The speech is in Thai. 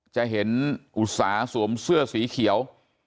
จะเห็นอุตสาหสวมเสื้อสีเขียว